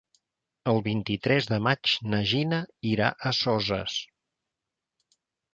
El vint-i-tres de maig na Gina irà a Soses.